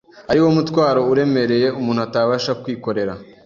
ari wo mutwaro uremereye umuntu atabasha kwikorera.